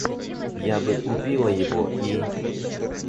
Я бы убила его и...